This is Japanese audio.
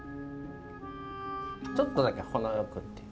ちょっとだけほどよくっていう。